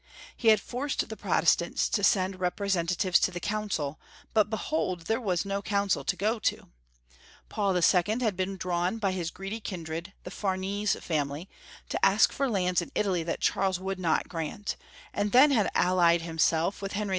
He had forced the Protestants to send repre sentatives to the Council, but behold, there was no Council to go to. Paul 11. had been di*awn by liis greedy kindred, the Farnese family, to ask for lands in Italy that Charles would not grant, and then had allied himself with Henry II.